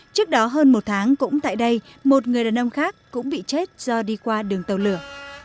trước đó hơn một tháng cũng tại đây một người đàn ông khác cũng bị chết do đi qua đường tàu lửa